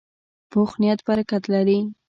پوخ نیت برکت لري